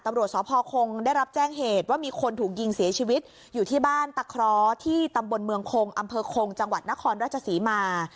ตำรวจสพคงได้รับแจ้งเหตุว่ามีคนถูกยิงเสียชีวิตอยู่ที่บ้านตะเคราะห์ที่ตำบลเมืองคงอำเภอคงจังหวัดนครราชศรีมา